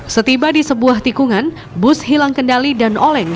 setiba di sebuah tikungan bus hilang kendali dan oleng